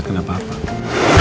anda menempatkan apa apa